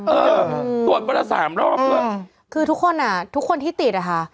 เออตรวจวันละสามรอบด้วยคือทุกคนอ่ะทุกคนที่ติดอ่ะค่ะ